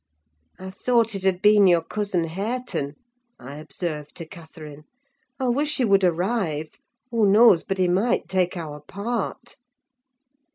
"I thought it had been your cousin Hareton," I observed to Catherine. "I wish he would arrive! Who knows but he might take our part?"